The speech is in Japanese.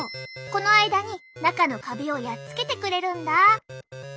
この間に中のカビをやっつけてくれるんだ。